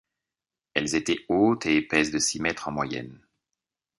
Elles étaient hautes et épaisses de six mètres en moyenne.